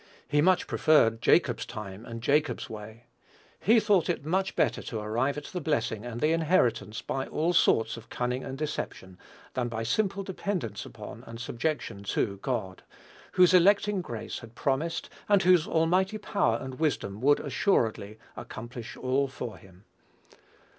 He much preferred Jacob's time and Jacob's way. He thought it much better to arrive at the blessing and the inheritance by all sorts of cunning and deception, than by simple dependence upon and subjection to God, whose electing grace had promised, and whose almighty power and wisdom would assuredly accomplish all for him.